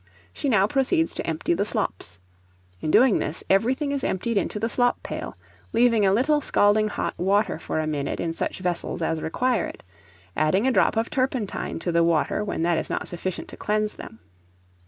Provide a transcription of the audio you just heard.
She now proceeds to empty the slops. In doing this, everything is emptied into the slop pail, leaving a little scalding hot water for a minute in such vessels as require it; adding a drop of turpentine to the water, when that is not sufficient to cleanse them.